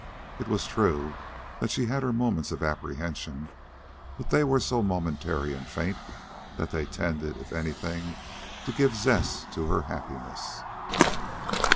It was true that she had her moments of apprehension, but they were so momentary and faint that they tended, if anything, to give zest to her happiness.